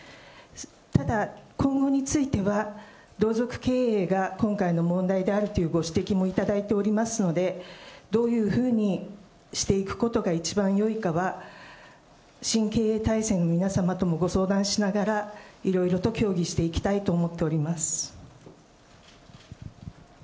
ただ、今後については同族経営が今回の問題であるというご指摘もいただいておりますので、どういうふうにしていくことが一番よいかは、新経営体制の皆様ともご相談しながら、いろいろと協議していきたいと思っております。